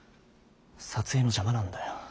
撮影の邪魔なんだよ。